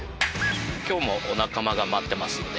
今日もお仲間が待ってますので。